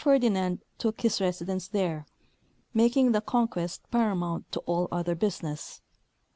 King Ferdinand took his residence there, making the conquest paramount to all other business.